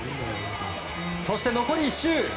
そして、残り１周。